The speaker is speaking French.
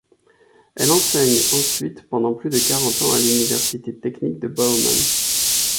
Elle enseigne ensuite pendant plus de quarante ans à l'Université Technique de Bauman.